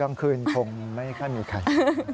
กลางคืนคงไม่ค่อยมีใคร